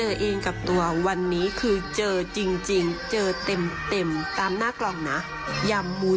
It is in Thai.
ยามไม่ใส่หมูยามไม่ใส่หมู